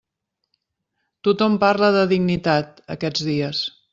Tothom parla de dignitat, aquests dies.